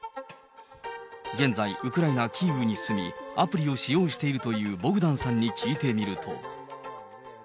現在、ウクライナ・キーウに住み、アプリを使用しているというボグダンさんに聞いてみると。